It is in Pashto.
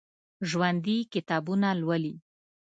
ژوندي کتابونه لولي